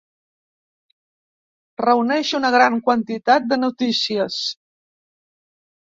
Reuneix una gran quantitat de notícies.